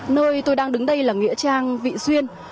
nơi tôi đang đứng đây là nghĩa trang vị xuyên